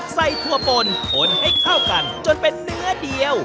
ถั่วปนคนให้เข้ากันจนเป็นเนื้อเดียว